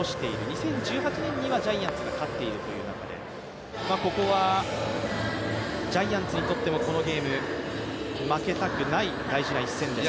２０１８年にはジャイアンツが勝っているという中でここはジャイアンツにとってもこのゲーム負けたくない、大事な一戦です。